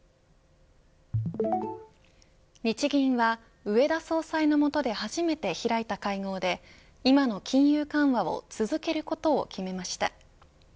日銀は植田総裁のもとで初めて開いた会合で今の金融緩和を続けることを決めました。